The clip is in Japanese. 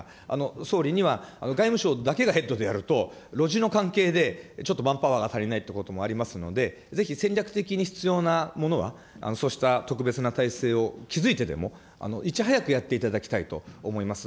総理には外務省だけがヘッドでやると、の関係でちょっとマンパワーが足りないということもありまして、ぜひ戦略的に必要なものは、そうした特別な体制を築いてでもいち早くやっていただきたいと思います。